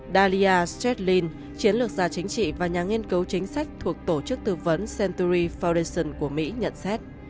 dalia stradlin chiến lược gia chính trị và nhà nghiên cấu chính sách thuộc tổ chức tư vấn century foundation của mỹ nhận xét